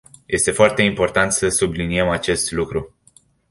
Este foarte important să subliniem acest lucru.